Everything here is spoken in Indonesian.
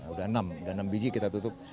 udah enam udah enam biji kita tutup